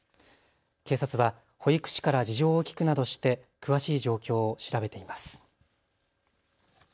警察は保育士から事情を聞くなどして詳しい状況を調べています。